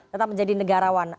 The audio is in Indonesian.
tetap menjadi negarawan